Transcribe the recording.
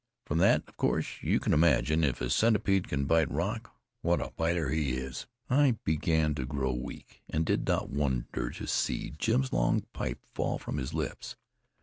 From that, of course, you can imagine, if a centipede can bite rock, what a biter he is." I began to grow weak, and did not wonder to see Jim's long pipe fall from his lips.